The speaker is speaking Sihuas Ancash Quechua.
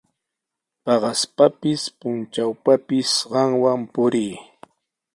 Paqaspapis, puntrawpapis qamwan purii.